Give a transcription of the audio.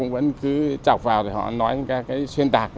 vẫn cứ chọc vào họ nói những cái xuyên tạc